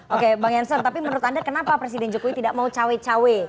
oke bang jansen tapi menurut anda kenapa presiden jokowi tidak mau cawe cawe